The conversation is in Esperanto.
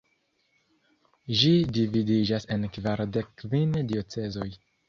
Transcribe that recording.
Ĝi dividiĝas en kvardek kvin diocezoj.